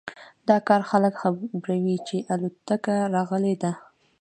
دا کار خلک خبروي چې الوتکه راغلی ده